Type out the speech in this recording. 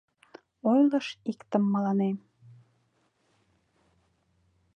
Ойлыш иктым мыланем: